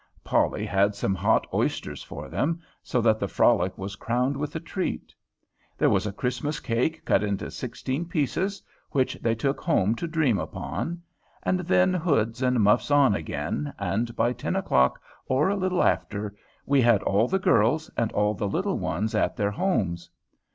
Polly had some hot oysters for them, so that the frolic was crowned with a treat. There was a Christmas cake cut into sixteen pieces, which they took home to dream upon; and then hoods and muffs on again, and by ten o'clock, or a little after, we had all the girls and all the little ones at their homes.